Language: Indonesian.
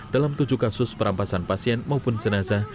dalam tujuh kasus perampasan pasien maupun jenazah